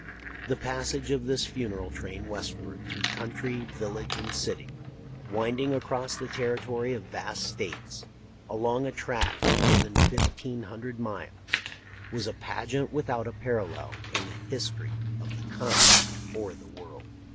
The passage of this funeral train westward through country, village, and city, winding across the territory of vast States, along a track of more than fifteen hundred miles,. was a pageant without a parallel in the history of the continent or the world.